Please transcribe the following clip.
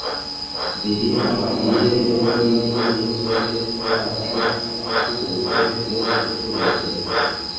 Biri amahire n’ubundi n’umusore wacu akubutse mu gifurere”,